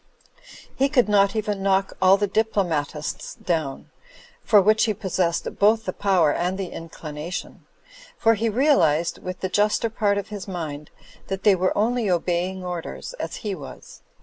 He could not even knock all the diplomatists down (for which he possessed both the power and the inclination), for he realised, with the juster part of his mind, that they were only obeying orders,, as he was.